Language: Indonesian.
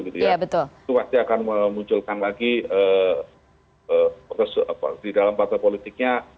itu pasti akan memunculkan lagi di dalam partai politiknya